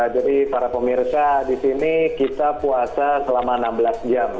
jadi para pemirsa di sini kita puasa selama enam belas jam